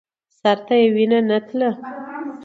سر نه يې وينه تله.